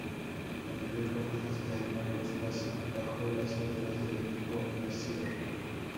La mayor parte de este años los pasó bajo las órdenes del equipo Mercier.